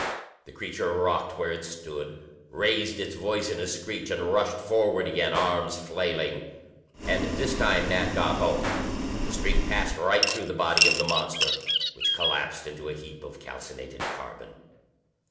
The creature rocked where it stood, raised its voice in a screech, and rushed forward again, arms flailing. And this time Nat got home. The streak passed right through the body of the monster, which collapsed into a heap of calcined carbon.